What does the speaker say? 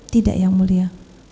tidak yang mulia